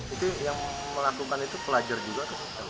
itu yang melakukan itu pelajar juga